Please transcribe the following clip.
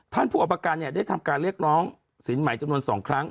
ผู้เอาประกันได้ทำการเรียกร้องสินใหม่จำนวน๒ครั้ง